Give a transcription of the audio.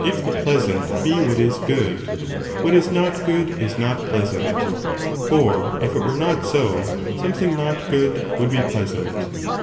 the pleasant be what is good, what is not good is ae not pleasant, for if it were not so, something not good would be pleasant.